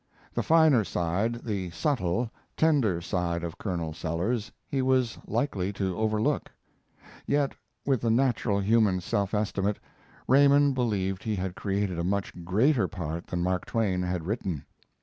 The finer side, the subtle, tender side of Colonel Sellers, he was likely to overlook. Yet, with a natural human self estimate, Raymond believed he had created a much greater part than Mark Twain had written.